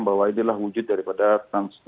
bahwa inilah wujud daripada